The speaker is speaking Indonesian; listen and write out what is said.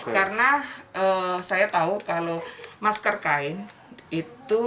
karena saya tahu kalau masker kain itu